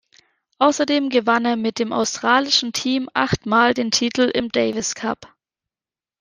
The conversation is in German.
Außerdem gewann er mit dem australischen Team acht Mal den Titel im Davis Cup.